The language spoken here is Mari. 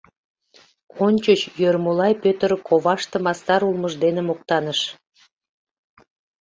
Ончыч Йӧрмолай Пӧтыр коваште мастар улмыж дене моктаныш.